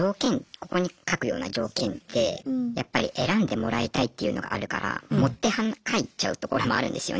ここに書くような条件ってやっぱり選んでもらいたいっていうのがあるから盛って書いちゃうところもあるんですよね。